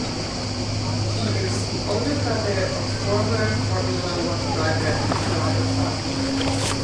He is the older brother of former Formula One driver Corrado Fabi.